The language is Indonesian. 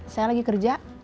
saya lagi kerja